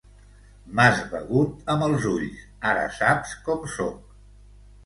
M'has begut amb els ulls, ara saps com sóc.